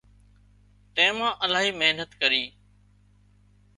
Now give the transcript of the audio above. تيمان الاهي محنت ڪري